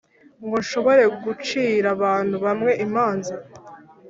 ngo nshobore gucira abantu bawe imanza,